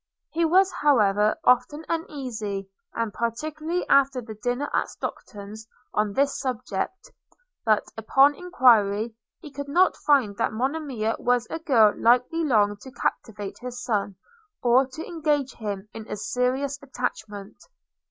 He was however often uneasy, and particularly after the dinner party at Stockton's, on this subject; but, upon enquiry, he could not find that Monimia was a girl likely long to captivate his son, or to engage him in a serious attachment.